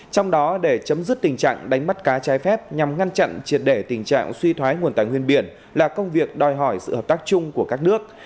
trong đó để chấm dứt tình trạng đánh bắt cá trái phép nhằm ngăn chặn triệt để tình trạng suy thoái nguồn tài nguyên biển là công việc đòi hỏi sự hợp tác chung của các nước